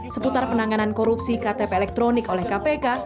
seputar penanganan korupsi ktp elektronik oleh kpk